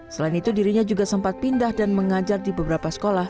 selain itu dirinya juga sempat pindah dan mengajar di beberapa sekolah